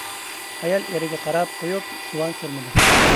ئايالى ئېرىگە قاراپ قويۇپ زۇۋان سۈرمىدى.